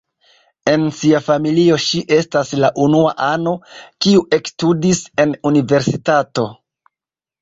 En sia familio ŝi estas la unua ano, kiu ekstudis en universitato.